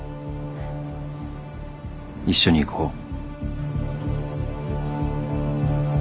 一緒に行こう。